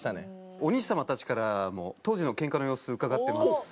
お兄様たちからも当時のケンカの様子伺ってます。